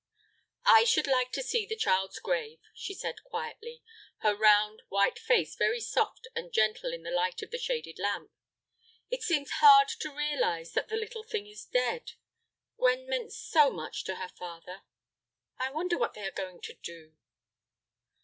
"I should like to see the child's grave," she said, quietly, her round, white face very soft and gentle in the light of the shaded lamp; "it seems hard to realize that the little thing is dead. Gwen meant so much to her father. I wonder what they are going to do."